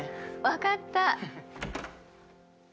分かった。